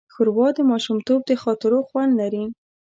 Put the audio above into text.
ښوروا د ماشومتوب د خاطرو خوند لري.